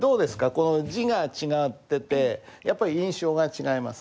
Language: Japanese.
この字が違っててやっぱり印象が違いますか？